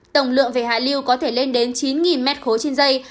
tổng lượng về hạ lưu có thể lên đến chín m ba trên dây